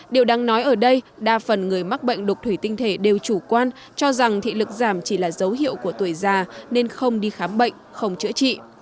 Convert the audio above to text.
điều đáng nói ở đây đa phần người mắc bệnh đục thủy tinh thể đều chủ quan cho rằng thị lực giảm chỉ là dấu hiệu của tuổi già nên không đi khám bệnh không chữa trị